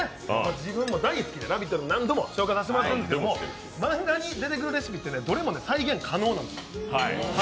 自分も大好きで「ラヴィット！」でも何度も紹介させてもらったんですけど漫画に出てくるレシピってどれも再現可能なんですよ。